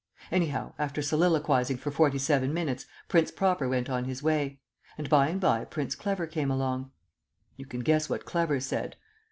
Anyhow, after soliloquizing for forty seven minutes Prince Proper went on his way; and by and by Prince Clever came along. You can guess what Clever said.